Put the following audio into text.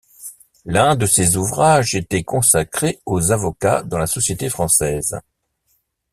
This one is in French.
L'un de ces ouvrages était consacré aux avocats dans la société française.